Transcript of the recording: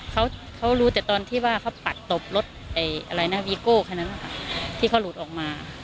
เขาเขารู้แต่ตอนที่ว่าเขาปัดตบรถอะไรนะวีโก้คันนั้นนะคะที่เขาหลุดออกมา